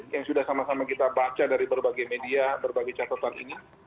yang sudah sama sama kita baca dari berbagai media berbagai catatan ini